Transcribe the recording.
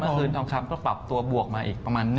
คืนทองคำก็ปรับตัวบวกมาอีกประมาณ